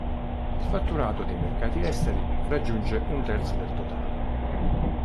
Il fatturato dal mercati esteri raggiunge un terzo del totale.